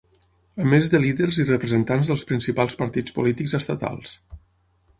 A més de líders i representants dels principals partits polítics estatals.